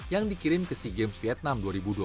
yang dikirim ke sea games vietnam dua ribu dua puluh tiga